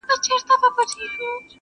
هغوی دواړه په سلا کي سرګردان سول،